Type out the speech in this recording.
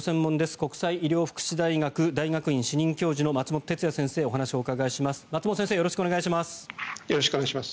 国際医療福祉大学大学院主任教授の松本哲哉先生にお話をお伺いします。